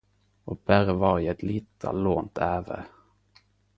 Og berre var i ei lita lånt æve